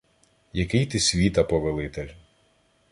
Який ти світа повелитель